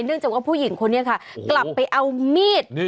จากว่าผู้หญิงคนนี้ค่ะกลับไปเอามีด